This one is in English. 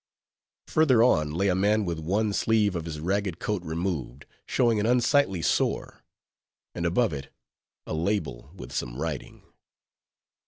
_ Further on lay a man with one sleeve of his ragged coat removed, showing an unsightly sore; and above it a label with some writing.